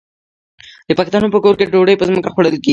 د پښتنو په کور کې ډوډۍ په ځمکه خوړل کیږي.